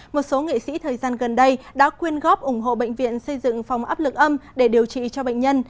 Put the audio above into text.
một số nghệ sĩ thời gian gần đây đã quyên góp ủng hộ bệnh viện xây dựng phòng áp lực âm để điều trị cho bệnh nhân